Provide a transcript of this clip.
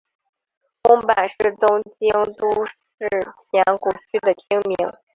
宫坂是东京都世田谷区的町名。